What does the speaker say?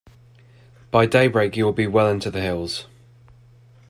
By daybreak you’ll be well into the hills.